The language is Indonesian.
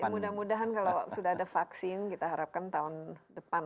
mudah mudahan kalau sudah ada vaksin kita harapkan tahun depan